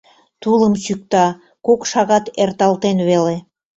Тулым чӱкта: кок шагат эрталтен веле.